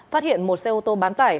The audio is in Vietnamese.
phát hiện một xe ô tô bán tải